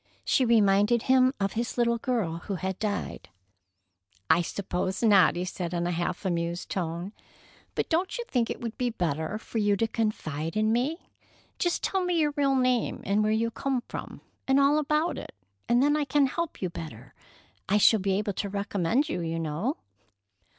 She reminded him of his little girl who had died. "I suppose not," he said in a half amused tone. "But don't you think it would be better for you to confide in me? Just tell me your real name, and where you come from, and all about it, and then I can help you better. I shall be able to recommend you, you know."